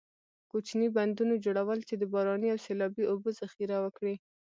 کوچنۍ بندونو جوړول چې د باراني او سیلابي اوبو ذخیره وکړي.